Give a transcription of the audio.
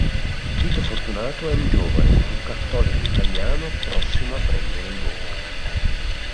Vito Fortunato è un giovane un cattolico italiano prossimo a prendere i voti.